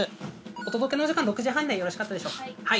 お届けのお時間６時半でよろしかったでしょうか。